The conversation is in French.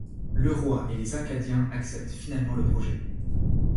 Le roi et les Acadiens acceptent finalement le projet.